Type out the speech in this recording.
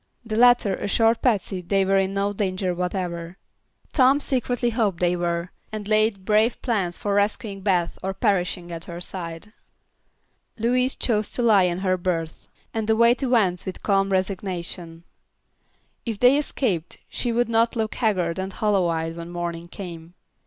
The latter assured Patsy they were in no danger whatever. Tom secretly hoped they were, and laid brave plans for rescuing Beth or perishing at her side. Louise chose to lie in her berth and await events with calm resignation. If they escaped she would not look haggard and hollow eyed when morning came.